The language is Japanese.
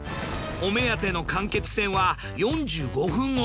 お目当ての間欠泉は４５分後。